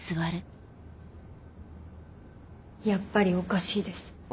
やっぱりおかしいです。